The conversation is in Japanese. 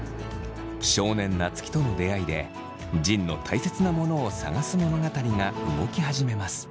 少年夏樹との出会いで仁のたいせつなものを探す物語が動き始めます。